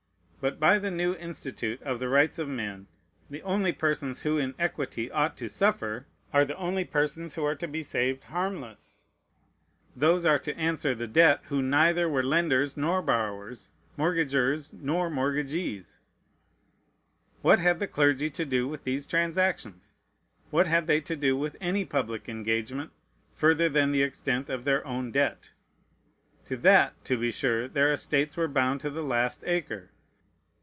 But by the new institute of the rights of men, the only persons who in equity ought to suffer are the only persons who are to be saved harmless: those are to answer the debt who neither were lenders nor borrowers, mortgagers nor mortgagees. What had the clergy to do with these transactions? What had they to do with any public engagement further than the extent of their own debt? To that, to be sure, their estates were bound to the last acre.